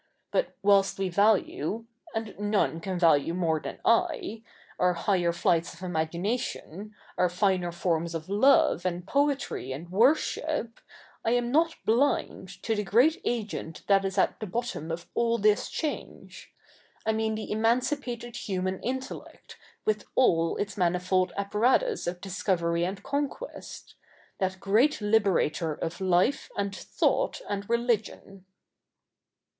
But whilst we value — and none can value more than I — our higher flights of imagination, our finer forms of love, and poetry, and worship, I am not blind to the great agent that is at the bottom of all this change. I mean the emancipated human intellect, with all its manifold apparatus of discovery and conquest — that great liberator of life, and thought, and religion.'